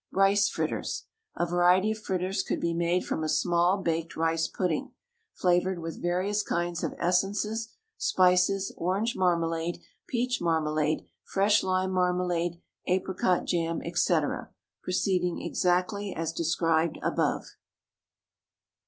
RICE FRITTERS. A variety of fritters could be made from a small baked rice pudding, flavoured with various kinds of essences, spices, orange marmalade, peach marmalade, fresh lime marmalade, apricot jam, &c., proceeding exactly as directed above.